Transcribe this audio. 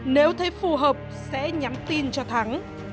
nếu thấy phù hợp sẽ nhắm tin cho thắng